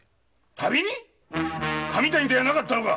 ⁉神谷ではなかったのか！